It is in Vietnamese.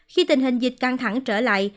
khi tình hình dịch căng thẳng trở lại